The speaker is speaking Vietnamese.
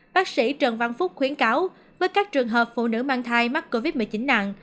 bác sĩ trần văn phúc khuyến cáo với các trường hợp phụ nữ mang thai mắc covid một mươi chín nặng